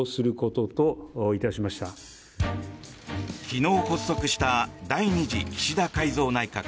昨日発足した第２次岸田改造内閣。